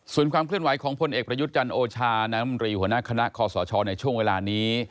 ส่วนความเคลื่อนไหวของพลเอกประยุทธ์จันทร์โอชานายมนตรีหัวหน้าคณะคอสชในช่วงเวลานี้